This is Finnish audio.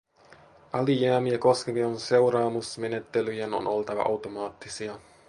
Alijäämiä koskevien seuraamusmenettelyjen on oltava automaattisia.